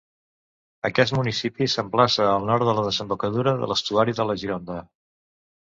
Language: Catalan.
Aquest municipi s'emplaça al nord de la desembocadura de l'estuari de la Gironda.